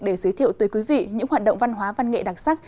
để giới thiệu tới quý vị những hoạt động văn hóa văn nghệ đặc sắc